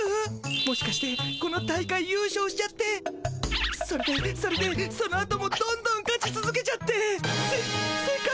もしかしてこの大会ゆう勝しちゃってそれでそれでそのあともどんどん勝ちつづけちゃってせ世界一になっちゃったりして。